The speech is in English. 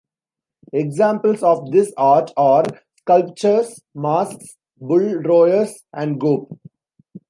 Examples of this art are sculptures, masks, bull roarers, and gope.